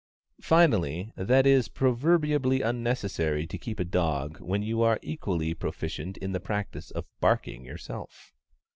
finally, that it is proverbially unnecessary to keep a dog when you are equally proficient in the practice of barking yourself.